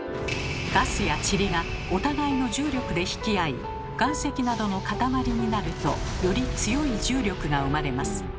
ガスやちりがお互いの重力で引き合い岩石などの塊になるとより強い重力が生まれます。